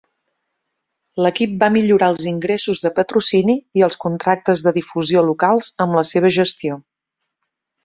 L'equip va millorar els ingressos de patrocini i els contractes de difusió locals amb la seva gestió.